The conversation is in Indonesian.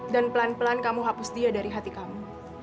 dan pelan pelan kamu hapus dia dari hati kamu